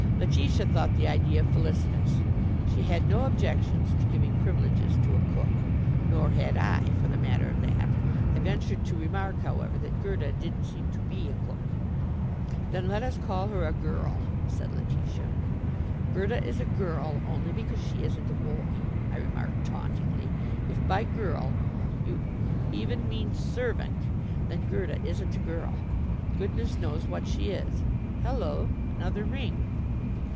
Letitia thought the idea felicitous. She had no objections to giving privileges to a cook. Nor had I, for the matter of that. I ventured to remark, however, that Gerda didn't seem to be a cook. "Then let us call her a 'girl,'" said Letitia. "Gerda is a girl, only because she isn't a boy," I remarked tauntingly. "If by 'girl' you even mean servant, then Gerda isn't a girl. Goodness knows what she is. Hello! Another ring!"